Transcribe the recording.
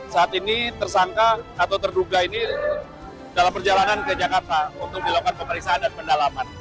saat ini tersangka atau terduga ini dalam perjalanan ke jakarta untuk dilakukan pemeriksaan dan pendalaman